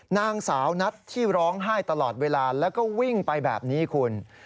นางสาวนัทที่ร้องไห้ตลอดเวลาแล้วก็วิ่งไปแบบนี้คุณ